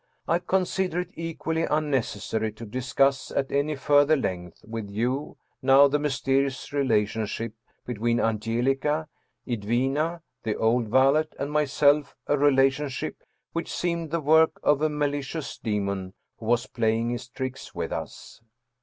I consider it equally unnecessary to discuss at any further length with you now the mysterious relationship between Angelica, Edwina, the old valet, and myself a relationship which seemed the work of a malicious demon who was playing his tricks with us.